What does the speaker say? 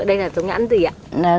đây là giống nhãn gì ạ